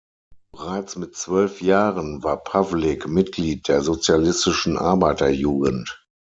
Bereits mit zwölf Jahren war Pawlik Mitglied der Sozialistischen Arbeiterjugend.